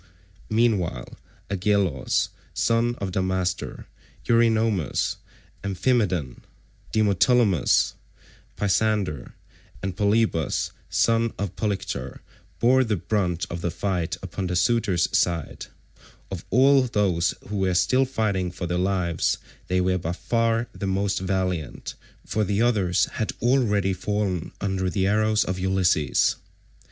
Meanwhile Agelaus son of Damastor, Eurynomus, Amphimedon, Demoptolemus, Pisander, and Polybus son of Polyctor bore the brunt of the fight upon the suitors' side; of all those who were still fighting for their lives they were by far the most valiant, for the others had already fallen under the arrows of Ulysses.